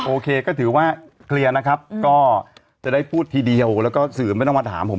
โอเคก็ถือว่าเคลียร์นะครับก็จะได้พูดทีเดียวแล้วก็สื่อไม่ต้องมาถามผม